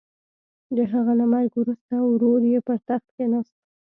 د هغه له مرګ وروسته ورور یې پر تخت کېناست.